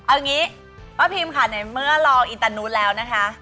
เอางี้ป้าพิมค่ะในเมื่อลองอินตานูตแล้วนะคะ